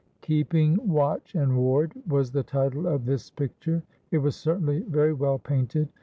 "Keeping watch and ward" was the title of this picture; it was certainly very well painted.